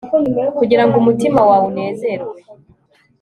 Kugira ngo umutima wawe unezerwe